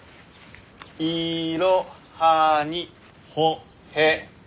「いろはにほへと」。